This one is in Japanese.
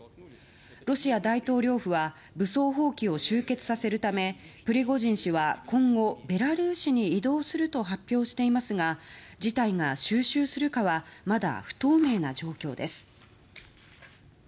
ロシア大統領府は武装蜂起を終結させるためプリゴジン氏は今後ベラルーシに移動すると発表していますが事態が収拾するかはまだ不透明な状況です。